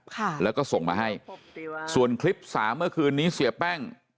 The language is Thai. ค่ะแล้วก็ส่งมาให้ส่วนคลิปสามเมื่อคืนนี้เสียแป้ง